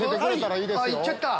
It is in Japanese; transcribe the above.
あっ行っちゃった。